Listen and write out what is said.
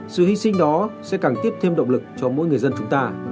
sự hy sinh đó sẽ càng tiếp thêm động lực cho mỗi người dân chúng ta